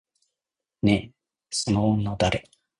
ねえ、その女誰？